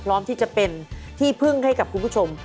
พร้อมที่จะเป็นที่พึ่งให้กับคุณผู้ชม